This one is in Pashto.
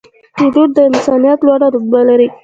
پیلوټ د انسانیت لوړه رتبه لري.